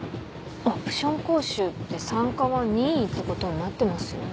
オプション講習って参加は任意ってことになってますよね。